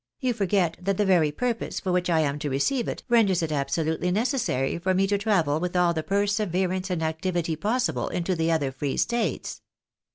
" You forget that the very purpose for which I am to receive it, renders it absolutely necessary for me to travel with all the perseverance and activity possible into the other Free States.